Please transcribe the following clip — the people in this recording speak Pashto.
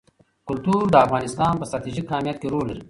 کلتور د افغانستان په ستراتیژیک اهمیت کې رول لري.